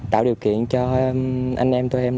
tạo điều kiện cho anh em tụi em